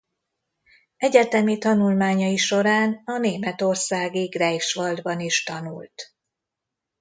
Egyetemi tanulmányai során a németországi Greifswaldban is tanult.